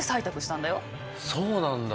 そうなんだ。